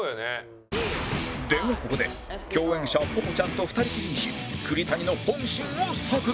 ではここで共演者ぽぽちゃんと２人きりにし栗谷の本心を探る！